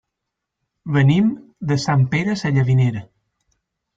Venim de Sant Pere Sallavinera.